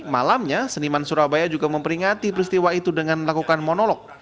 malamnya seniman surabaya juga memperingati peristiwa itu dengan melakukan monolog